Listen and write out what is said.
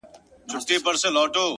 شېرینو نور له لسټوڼي نه مار باسه،